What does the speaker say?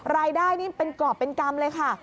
รายได้นี่เป็นกรอบเป็นกรรมเลยค่ะ